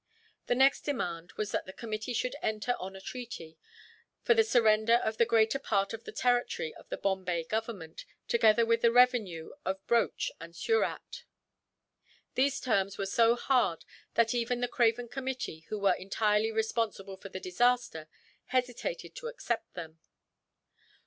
The next demand was that the committee should enter on a treaty, for the surrender of the greater part of the territory of the Bombay Government, together with the revenue of Broach and Surat. These terms were so hard that even the craven committee, who were entirely responsible for the disaster, hesitated to accept them.